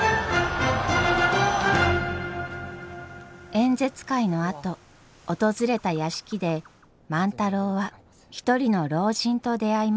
演説会のあと訪れた屋敷で万太郎は一人の老人と出会います。